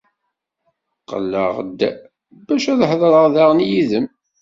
Qqleɣ-d bac ad heḍṛeɣ daɣen yid-m.